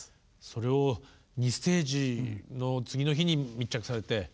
それを２ステージの次の日に密着されて。